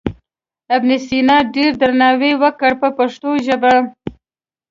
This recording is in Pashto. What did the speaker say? ابن سینا یې ډېر درناوی وکړ په پښتو ژبه.